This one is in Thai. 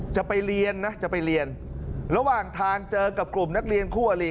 จะไปเรียนนะจะไปเรียนระหว่างทางเจอกับกลุ่มนักเรียนคู่อลิ